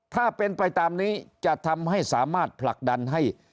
ถ้าเป็นไปตามนี้จะทำให้สามารถผลักดันให้